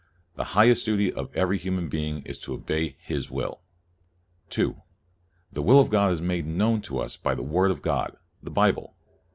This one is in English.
The highest duty of every human being is to obey His will. 2. The will of God is made known to us by the Word of God, the Bible.